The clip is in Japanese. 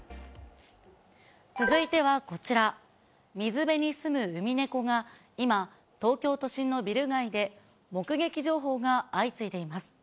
続いてはこちら、水辺に住むウミネコが今、東京都心のビル街で目撃情報が相次いでいます。